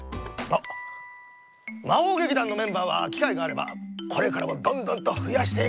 あっ魔王げきだんのメンバーはきかいがあればこれからもどんどんとふやしていくつもりだ。